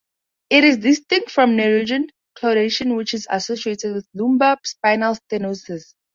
It is distinct from neurogenic claudication, which is associated with lumbar spinal stenosis.